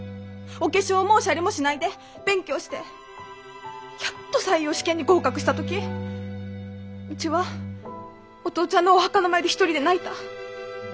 お化粧もおしゃれもしないで勉強してやっと採用試験に合格した時うちはお父ちゃんのお墓の前で１人で泣いた。